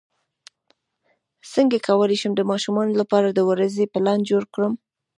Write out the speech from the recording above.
څنګه کولی شم د ماشومانو لپاره د ورځې پلان جوړ کړم